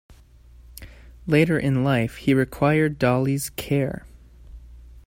Later in life he required Dollie's care.